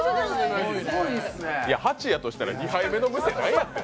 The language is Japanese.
８やとしたら２杯目のむせは何やった？